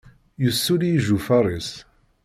Yussuli ijufaṛ-is.